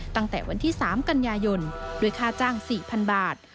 ตั้งแต่วันที่๓กันยายนด้วยค่าจ้าง๔๐๐๐บาท